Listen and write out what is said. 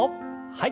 はい。